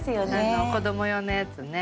子ども用のやつね